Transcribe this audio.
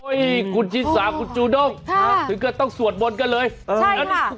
เฮ้ยกุญชิสากุญจูดมค่ะถึงเกิดต้องสวดบนกันเลยใช่ค่ะ